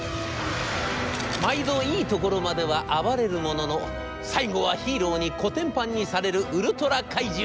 毎度いいところまでは暴れるものの最後はヒーローにこてんぱんにされるウルトラ怪獣。